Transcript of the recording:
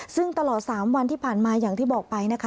ซึ่งตลอด๓วันที่ผ่านมาอย่างที่บอกไปนะคะ